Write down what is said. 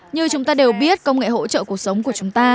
như chúng ta đều biết công nghệ hỗ trợ cuộc sống của chúng ta